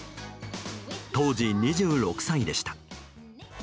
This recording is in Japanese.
当時、２６歳でした。